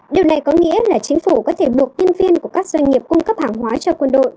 điều này có nghĩa là chính phủ có thể buộc nhân viên của các doanh nghiệp cung cấp hàng hóa cho quân đội